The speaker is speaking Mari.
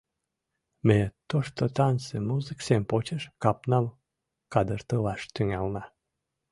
Ме тошто танце музык сем почеш капнам кадыртылаш тӱҥална.